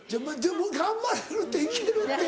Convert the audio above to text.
頑張れるって行けるって。